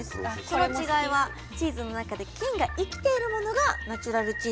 その違いはチーズの中で菌が生きているものがナチュラルチーズ。